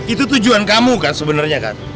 itu tujuan kamu kan sebenarnya kan